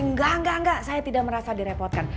enggak enggak saya tidak merasa direpotkan